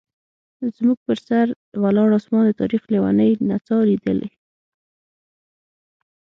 زموږ پر سر ولاړ اسمان د تاریخ لیونۍ نڅا لیدلې.